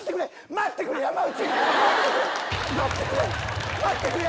待ってくれ山内！